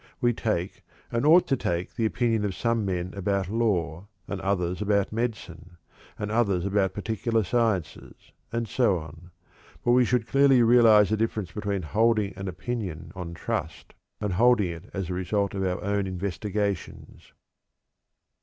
We take, and ought to take, the opinion of some men about law, and others about medicine, and others about particular sciences, and so on. But we should clearly realize the difference between holding an opinion on trust and holding it as the result of our own investigations."